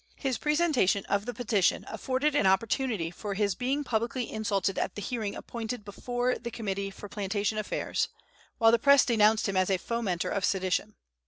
His presentation of the petition afforded an opportunity for his being publicly insulted at the hearing appointed before the Committee for Plantation Affairs, while the press denounced him as a fomenter of sedition.